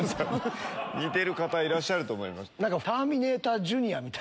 似てる方いらっしゃると思います。